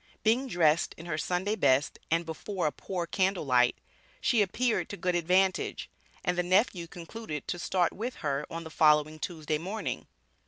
Being dressed in her "Sunday best" and "before a poor candle light," she appeared to good advantage; and the nephew concluded to start with her on the following Tuesday morning.